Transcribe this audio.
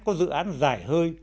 có dự án dài hơi